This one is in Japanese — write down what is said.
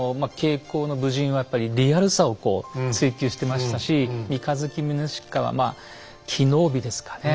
「挂甲の武人」はやっぱりリアルさをこう追求してましたし「三日月宗近」はまあ機能美ですかね。